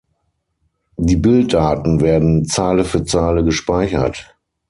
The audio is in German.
Die Bilddaten werden Zeile für Zeile gespeichert.